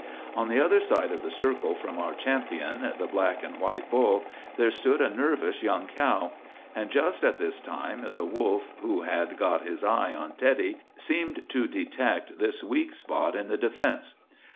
"On the other side of the circle from our champion, the black and white bull, there stood a nervous young cow; and just at this time the wolf who had got his eye on Teddy seemed to detect this weak spot in the defence.